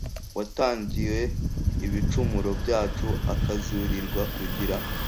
watangiwe ibicumuro byacu akazurirwa kugira